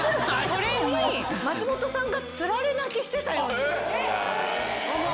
それに、松本さんがつられ泣きしてたように思う。